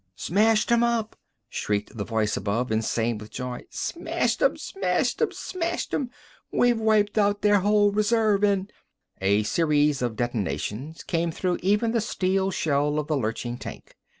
"Smashed 'em up!" shrieked the voice above, insane with joy. "Smashed 'em! Smashed 'em! Smashed 'em! We've wiped out their whole reserve and—" A series of detonations came through even the steel shell of the lurching tank.